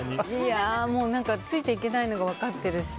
ついていけないのが分かってるし